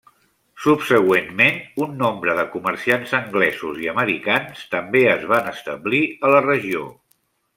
Subsegüentment un nombre de comerciants anglesos i americans també es van establir a la regió.